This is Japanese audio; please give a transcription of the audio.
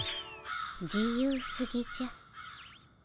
自由すぎじゃ。